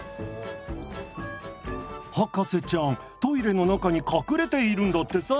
「ハカセちゃんトイレの中にかくれているんだってさ。